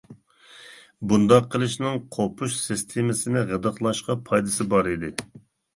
بۇنداق قىلىشنىڭ قوپۇش سىستېمىسىنى غىدىقلاشقا پايدىسى بار ئىدى.